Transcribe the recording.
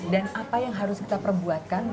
dan apa yang harus kita perbuatkan